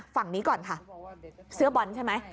ฝั่งนี้ก่อนค่ะเสื้อบอลใช่ไหม